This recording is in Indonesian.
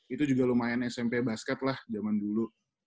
itu juga lumayan smp basket lah zaman dulu